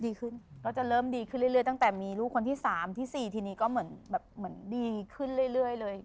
เราจะเริ่มดีขึ้นเรื่อยตั้งแต่มีลูกคนที่๓ที่๔ทีนี้ก็เหมือนแบบเหมือนดีขึ้นเรื่อยเลย